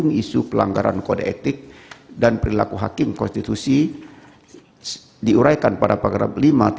yang diduga mengandung isu pelanggaran kode etik dan perilaku hakim konstitusi diuraikan pada paragraf lima lima